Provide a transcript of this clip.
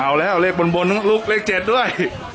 อ๋อเอาแล้วเลขบนบนลูกเลข๗ด้วย